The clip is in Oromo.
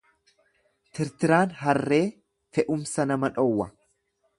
Tirtiraan harree fe’umsa nama dhowwa